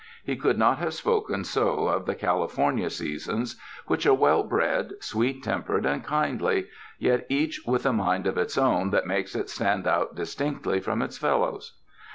He could not have spoken so of the California seasons, which are well bred, sweet tempered and kindly, yet each with a mind of its own that makes it stand out distinctly from its fellows.